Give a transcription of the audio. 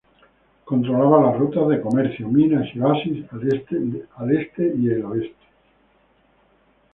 Controlaba las rutas de comercio, minas y oasis al este y el oeste.